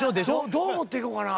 「どう持っていこうかな。